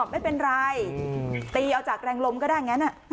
อ๋อไม่เป็นไรตีเอาจากแรงลมก็ได้อย่างนี้นะ